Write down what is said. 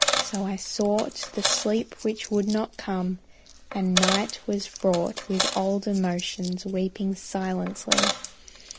So I sought The sleep which would not come, and night was fraught With old emotions weeping silently.